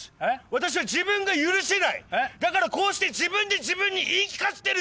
私は自分が許せないだからこうして自分で自分に言い聞かせてるんです